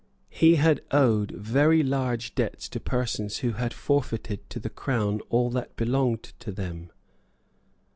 He had owed very large debts to persons who had forfeited to the Crown all that belonged to them.